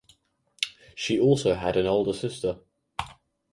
She also had an older sister.